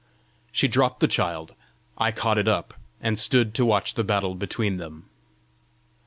She dropped the child; I caught it up, and stood to watch the battle between them.